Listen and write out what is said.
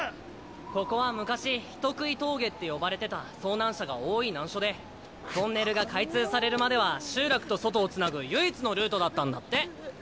ここは昔人喰い峠って呼ばれてた遭難者が多い難所でトンネルが開通されるまでは集落と外をつなぐ唯一のルートだったんだって。